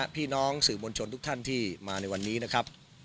พี่น้องสื่อมวลชนทุกท่านที่มาในวันนี้นะครับ